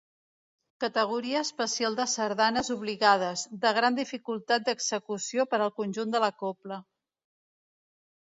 Categoria especial de sardanes obligades, de gran dificultat d'execució per al conjunt de la cobla.